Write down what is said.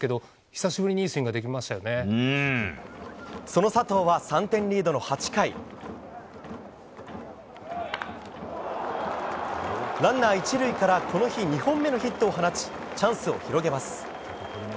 更に、佐藤は３点リードの８回ランナー１塁からこの日、２本目のヒットを放ちチャンスを広げます。